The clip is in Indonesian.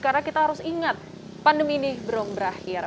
karena kita harus ingat pandemi ini belum berakhir